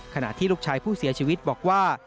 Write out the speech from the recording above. ขณะที่ลูกชายผู้เสียชีวิตบอกว่า